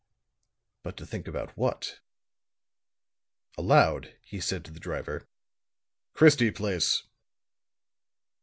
"But to think about what?" Aloud he said to the driver: "Christie Place."